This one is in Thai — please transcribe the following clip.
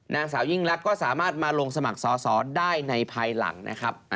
นางสาวยิ่งลักษณ์ก็สามารถมาลงสมัครสอสอได้ในภายหลังนะครับ